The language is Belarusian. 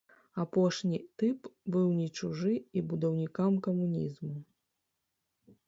Апошні тып быў не чужы і будаўнікам камунізму.